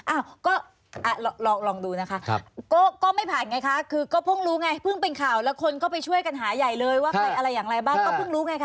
อ้าวก็ลองดูนะคะก็ไม่ผ่านไงคะคือก็เพิ่งรู้ไงเพิ่งเป็นข่าวแล้วคนก็ไปช่วยกันหาใหญ่เลยว่าใครอะไรอย่างไรบ้างก็เพิ่งรู้ไงคะ